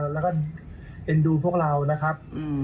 แล้วก็เอ็นดูพวกเรานะครับ